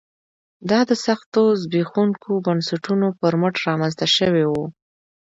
دا د سختو زبېښونکو بنسټونو پر مټ رامنځته شوی و